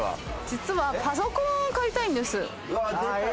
実はパソコンを買いたいんです。